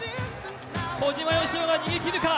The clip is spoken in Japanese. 小島よしおが逃げきるか。